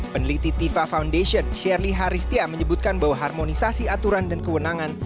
peneliti tifa foundation shirly haristia menyebutkan bahwa harmonisasi aturan dan kewenangan